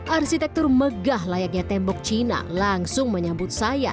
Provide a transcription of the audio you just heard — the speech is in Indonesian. arsitektur megah layaknya tembok cina langsung menyambut saya